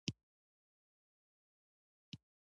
د خپلو ملګرو سره صادق اوسئ.